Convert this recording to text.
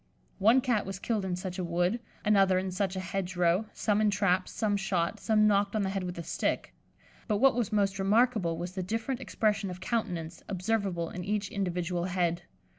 One Cat was killed in such a wood; another in such a hedge row; some in traps, some shot, some knocked on the head with a stick; but what was most remarkable was the different expression of countenance observable in each individual head.